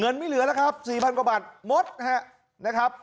ไม่เหลือแล้วครับ๔๐๐กว่าบาทหมดนะครับ